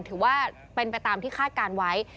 ถือว่าเป็นไปตามที่คาดการณ์ไว้